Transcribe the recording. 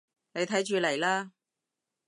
你睇住嚟啦